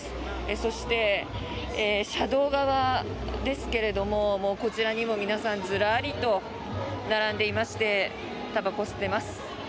そして、車道側ですけれどもこちらにも皆さんずらりと並んでいましてたばこを吸っています。